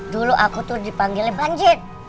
dulu aku tuh dipanggil banjin